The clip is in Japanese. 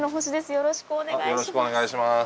よろしくお願いします。